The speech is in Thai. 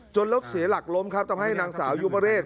จนแล้วเสียหลักล้มครับต้องให้นางสาวยูประเรศ